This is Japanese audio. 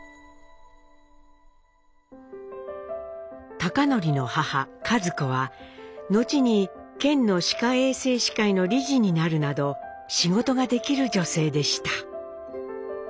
貴教の母一子は後に県の歯科衛生士会の理事になるなど仕事ができる女性でした。